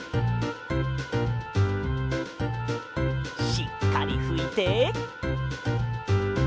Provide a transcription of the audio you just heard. しっかりふいて！